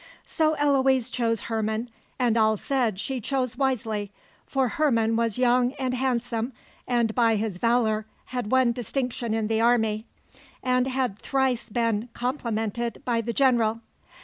So Eloise chose Herman, and all said she chose wisely; for Herman was young and handsome, and by his valor had won distinction in the army, and had thrice been complimented by the general.